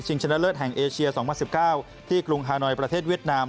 ชนะเลิศแห่งเอเชีย๒๐๑๙ที่กรุงฮานอยประเทศเวียดนาม